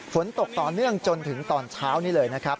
ฝนตกต่อเนื่องจนถึงตอนเช้านี้เลยนะครับ